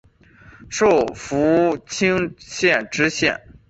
授福清县知县。